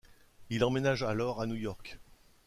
Il emménage alors à New York.